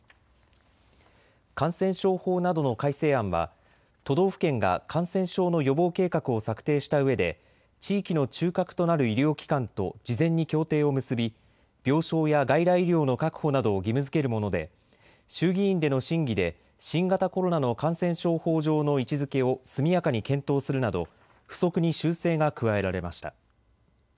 感染症法などの改正案は都道府県が感染症の予防計画を策定したうえで地域の中核となる医療機関と事前に協定を結び病床や外来医療の確保などを義務づけるもので衆議院での審議で新型コロナの感染症法上の位置づけを速やかに検討するなど付則に修正が加えられました。